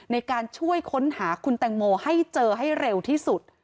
ในการช่วยค้นหาคุณแตงโมให้เจอให้เร็วที่สุด